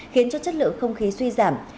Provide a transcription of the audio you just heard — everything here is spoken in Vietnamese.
khiến cho chất lượng không khí suy giảm